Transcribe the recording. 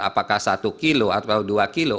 apakah satu kilo atau dua kilo